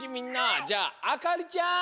じゃああかりちゃん。